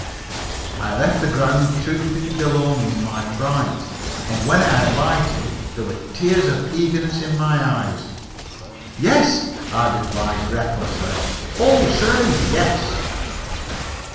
I left the ground two feet below me in my fright and when I alighted there were tears of eagerness in my eyes. "Yes," I replied breathlessly, "oh, sir, yes."